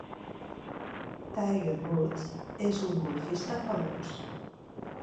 Tiger Woods és un golfista famós.